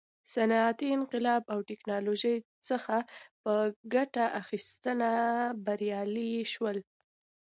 صنعتي انقلاب او ټکنالوژۍ څخه په ګټه اخیستنه بریالي شول.